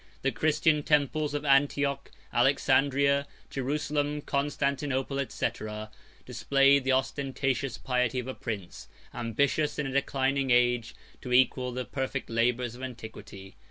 The Christian temples of Antioch, Alexandria, Jerusalem, Constantinople &c., displayed the ostentatious piety of a prince, ambitious in a declining age to equal the perfect labors of antiquity.